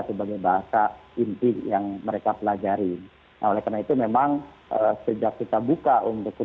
sebagai bahasa inti yang mereka pelajari oleh karena itu memang sejak kita buka untuk